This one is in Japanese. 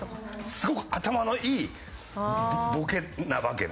すごく頭のいいボケなわけね。